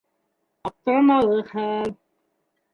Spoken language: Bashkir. Аптырамалы хәл.